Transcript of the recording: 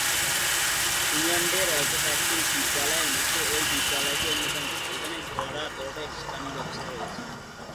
ইংল্যান্ডের অল্প কয়েকটি বিদ্যালয়ের মধ্যে এই বিদ্যালয়টি অন্যতম যেখানে ঘোড়-দৌড় শেখানোর ব্যবস্থা আছে।